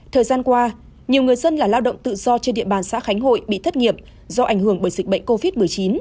thời gian qua nhiều người dân là lao động tự do trên địa bàn xã khánh hội bị thất nghiệp do ảnh hưởng bởi dịch bệnh covid một mươi chín